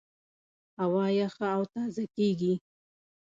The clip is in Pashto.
هوا یخه او تازه کېږي.